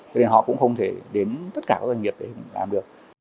cho nên họ cũng không thể đến tất cả các doanh nghiệp để làm được